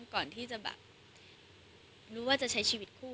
ก่อนที่จะแบบรู้ว่าจะใช้ชีวิตคู่